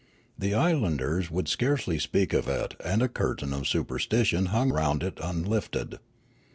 The islanders would scarcely speak of it and a curtain of superstition hung round it unlifted.